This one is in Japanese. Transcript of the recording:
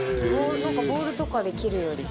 なんかボウルとかで切るより。